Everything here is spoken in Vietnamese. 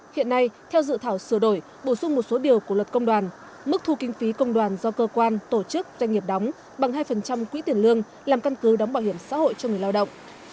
hiện nay theo dự thảo sửa đổi bổ sung một số điều của luật công đoàn mức thu kinh phí công đoàn do cơ quan tổ chức doanh nghiệp đóng bằng hai quỹ tiền lương làm căn cứ đóng bảo hiểm xã hội cho người lao động